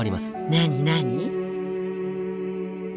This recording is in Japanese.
何何？